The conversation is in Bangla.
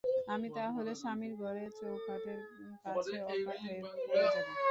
আমি তা হলে স্বামীর ঘরের চৌকাঠের কাছে অজ্ঞান হয়ে পড়ে যাব।